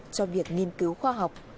cho việc nghiên cứu khoa học